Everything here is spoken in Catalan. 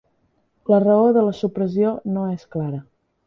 La raó de la supressió no és clara.